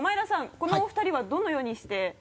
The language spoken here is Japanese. このお二人はどのようにして？